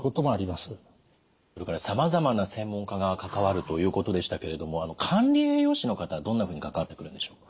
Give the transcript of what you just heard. それからさまざまな専門家が関わるということでしたけれども管理栄養士の方はどんなふうに関わってくるんでしょう？